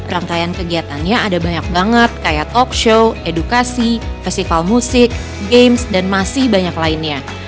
rangkaian kegiatannya ada banyak banget kayak talk show edukasi festival musik games dan masih banyak lainnya